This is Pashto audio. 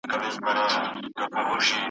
زما یوه خواخوږي دوست ,